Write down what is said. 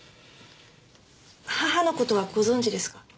母の事はご存じですか？